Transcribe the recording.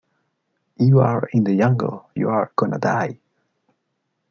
You are in the jungle... you're gonna die!